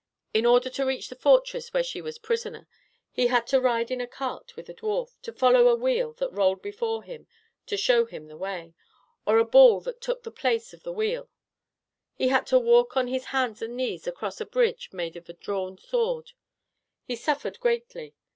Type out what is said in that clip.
In order to reach the fortress where she was prisoner, he had to ride in a cart with a dwarf; to follow a wheel that rolled before him to show him the way, or a ball that took the place of the wheel; he had to walk on his hands and knees across a bridge made of a drawn sword; he suffered greatly.